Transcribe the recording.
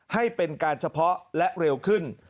ให้เป็นการเฉพาะและเร็วขึ้น